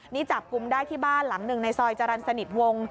นี่จับกลุ่มได้ที่บ้านหลังหนึ่งในซอยจรรย์สนิทวง